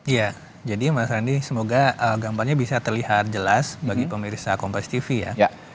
iya jadi mas randy semoga gambarnya bisa terlihat jelas bagi pemirsa kompas tv ya